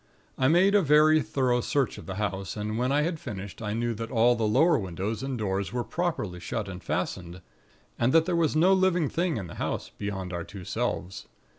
I made a very thorough search of the house, and when I had finished, I knew that all the lower windows and doors were properly shut and fastened, and that there was no living thing in the house, beyond our two selves.